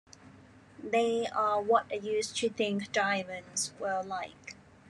They are what I used to think diamonds were like.